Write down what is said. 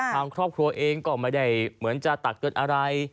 ทางครอบครัวเองก็ไม่ได้เหมือนจะตักเตือนอะไร